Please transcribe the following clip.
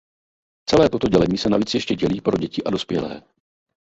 Celé toto dělení se navíc ještě dělí pro děti a dospělé.